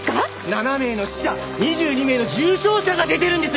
７名の死者２２名の重症者が出てるんですよ。